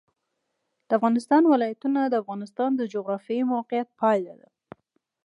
د افغانستان ولايتونه د افغانستان د جغرافیایي موقیعت پایله ده.